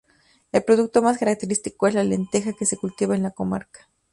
El producto más característico es la lenteja que se cultiva en la comarca.